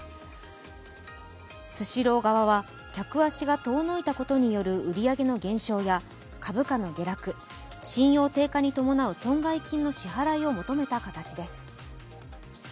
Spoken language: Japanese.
スシロー側は客足が遠のいたことによる売り上げの減少や株価の下落、信用低下に伴う損害金の支払いを求めた形です。